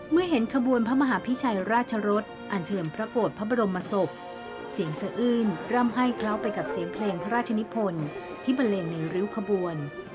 เห็นขบวนพระมหาพิชัยราชรสอันเชิญพระโกรธพระบรมศพเสียงสะอื้นร่ำให้เคล้าไปกับเสียงเพลงพระราชนิพลที่บันเลงในริ้วขบวน